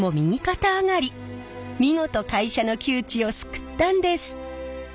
見事会社の窮地を救ったんです。